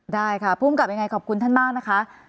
ได้ค่ะภูมิกับยังไงขอบคุณท่านมากนะคะ